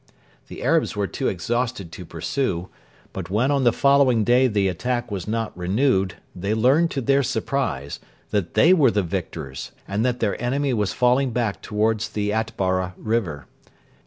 The Arabs were too exhausted to pursue, but when on the following day the attack was not renewed they learned, to their surprise, that they were the victors and that their enemy was falling back towards the Atbara river.